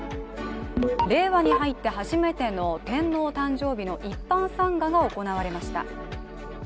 令和に入って初めての天皇誕生日の一般参賀が行われました。